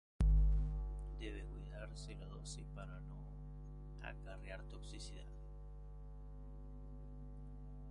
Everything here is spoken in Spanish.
Debe cuidarse la dosis para no acarrear toxicidad.